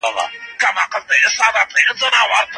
په سیاستپوهنه کي د علمي اصولو پر بنسټ ژور تحلیلونه وړاندي کيږي.